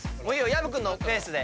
薮君のペースで。